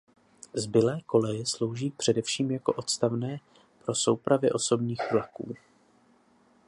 Zbylé koleje slouží především jako odstavné pro soupravy osobních vlaků.